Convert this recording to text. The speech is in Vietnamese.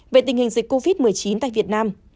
về tình hình dịch covid một mươi chín tại việt nam